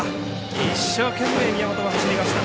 一生懸命、宮本は走りました。